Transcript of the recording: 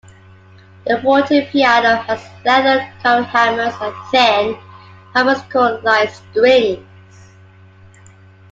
The fortepiano has leather-covered hammers and thin, harpsichord-like strings.